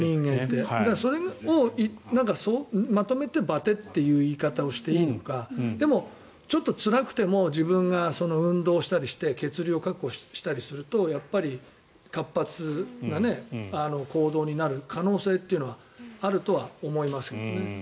それをまとめてバテっていう言い方をしていいのかでも、ちょっとつらくても自分が運動したりして血流を確保したりすると活発な行動になる可能性というのはあるとは思いますけどね。